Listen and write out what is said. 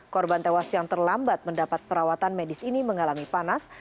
korban tewas yang terlambat mendapat perawatan medis ini mengalami panas